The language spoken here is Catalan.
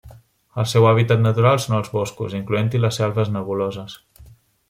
El seu hàbitat natural són els boscos, incloent-hi les selves nebuloses.